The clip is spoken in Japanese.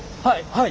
はい。